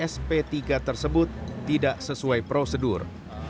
sp tiga tersebut tidak sesuai prosedur